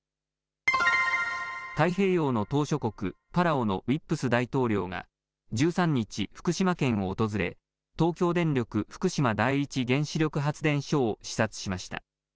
太平洋の島しょ国、パラオのウィップス大統領が１３日、福島県を訪れ、東京電力福島第一原子力発電所を視察しました。